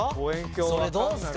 それどうっすか？